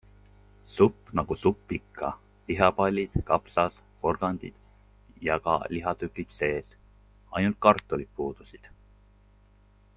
Supp nagu supp ikka, lihapallid, kapsas, porgand ja ka ihatükid sees, ainult kartulid puudusid.